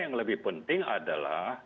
yang lebih penting adalah